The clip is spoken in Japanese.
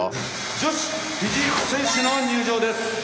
女子フィジーク選手の入場です。